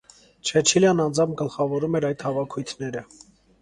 Չեչիլիան անձամբ գլխավորում էր այդ հավաքույթները։